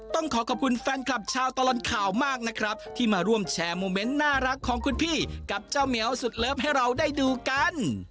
ต้องขอขอบคุณแฟนคลับชาวตลอดข่าวมากนะครับที่มาร่วมแชร์โมเมนต์น่ารักของคุณพี่กับเจ้าเหมียวสุดเลิฟให้เราได้ดูกัน